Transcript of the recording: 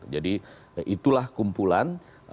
jadi itulah kumpulan